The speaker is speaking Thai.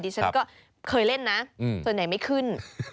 ดิฉันก็เคยเล่นนะตอนไหนไม่ขึ้น